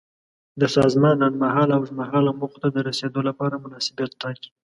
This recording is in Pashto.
د سازمان لنډمهاله او اوږدمهاله موخو ته د رسیدو لپاره مناسبیت ټاکي.